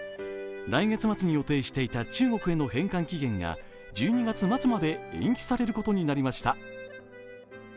来月末に予定していた中国への返還期限が１２月末まで延期されることになりました。